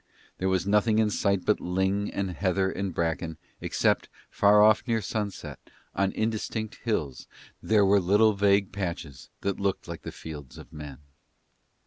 There was nothing in sight but ling and heather and bracken, except, far off near the sunset, on indistinct hills, there were little vague patches that looked like the fields of men.